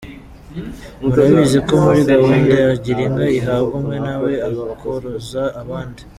Murabizi ko muri gahunda ya Girinka, ihabwa umwe nawe akoroza abandi.